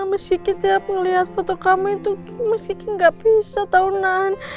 meski tiap ngeliat foto kamu itu meski nggak bisa tahu nahan